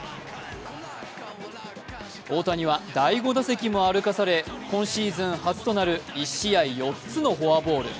大谷は第５打席も歩かされ今シーズン初となる１試合４つのフォアボール。